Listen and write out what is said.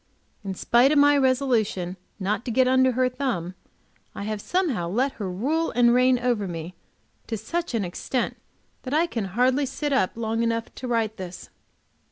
In spite of my resolution not to get under her thumb, I have somehow let her rule and reign over me to such an extent that I can hardly sit up long enough to write this.